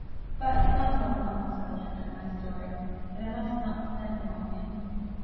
But Donal is not the subject of my story, and I must not spend upon him.